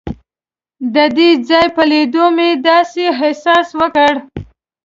د دې ځای په لیدو مې داسې احساس وکړ.